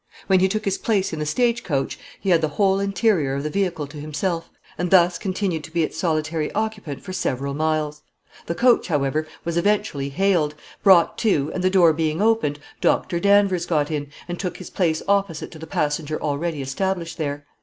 When he took his place in the stagecoach he had the whole interior of the vehicle to himself, and thus continued to be its solitary occupant for several miles. The coach, however, was eventually hailed, brought to, and the door being opened, Dr. Danvers got in, and took his place opposite to the passenger already established there.